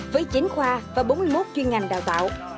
với chín khoa và bốn mươi một chuyên ngành đào tạo